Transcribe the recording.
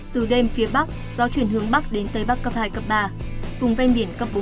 từ đêm phía bắc gió chuyển hướng bắc đến tây bắc cấp hai cấp ba vùng ven biển cấp bốn